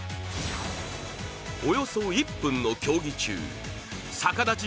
およそ１分の競技中逆立ち